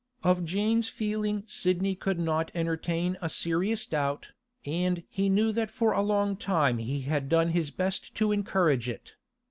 Of Jane's feeling Sidney could not entertain a serious doubt, and he knew that for a long time he had done his best to encourage it.